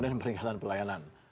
dan peningkatan pelayanan